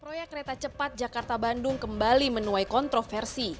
proyek kereta cepat jakarta bandung kembali menuai kontroversi